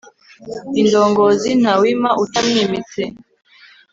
indongozi, ntawima utamwimitse